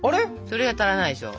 それは足らないでしょ。